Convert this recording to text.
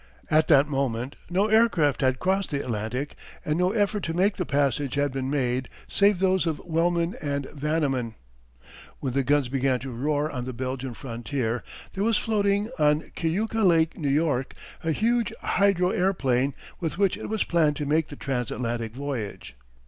At that moment no aircraft had crossed the Atlantic and no effort to make the passage had been made save those of Wellman and Vanniman. When the guns began to roar on the Belgian frontier there was floating on Keuka Lake, New York, a huge hydro airplane with which it was planned to make the trans Atlantic voyage.